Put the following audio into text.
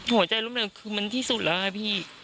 หัวใจล้มเหลวคือมันที่สุดแล้ว